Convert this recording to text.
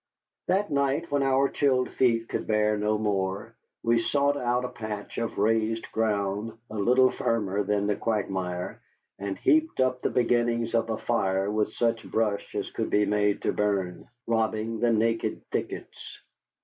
That night, when our chilled feet could bear no more, we sought out a patch of raised ground a little firmer than a quagmire, and heaped up the beginnings of a fire with such brush as could be made to burn, robbing the naked thickets.